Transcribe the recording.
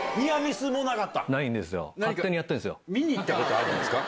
見に行ったことはあるんですか？